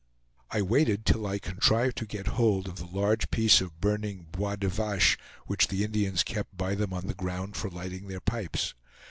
I waited till I contrived to get hold of the large piece of burning BOIS DE VACHE which the Indians kept by them on the ground for lighting their pipes.